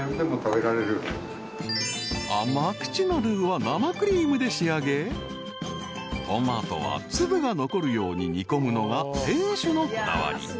［甘口のルーは生クリームで仕上げトマトは粒が残るように煮込むのが店主のこだわり］